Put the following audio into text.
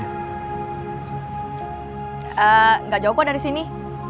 eee gak jauh kok dari sini